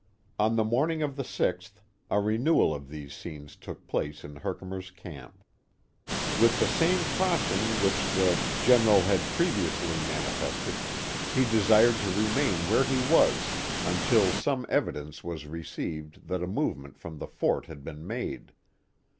On the morning of the 6th, a renewal of these scenes took place in Herkimer's camp. With the same caution which the I 418 The Mohawk Valley General had previously manifested, he desired to remain where he was until some evidence was received that a move ment from the fort had been made.